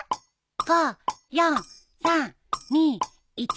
５４３２１。